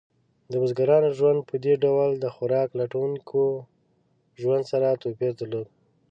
د بزګرانو ژوند په دې ډول د خوراک لټونکو ژوند سره توپیر درلود.